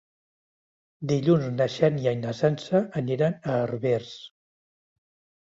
Dilluns na Xènia i na Sança aniran a Herbers.